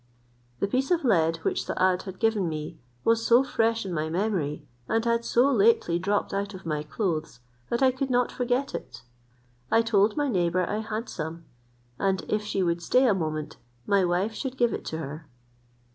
The piece of lead which Saad had given me was so fresh in my memory, and had so lately dropped out of my clothes, that I could not forget it. I told my neighbour I had some; and if she would stay a moment my wife should give it to her.